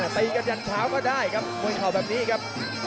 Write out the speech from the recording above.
ตีกันยันเช้าก็ได้ครับมวยเข่าแบบนี้ครับ